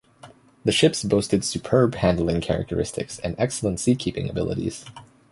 The ships boasted superb handling characteristics and excellent sea-keeping abilities.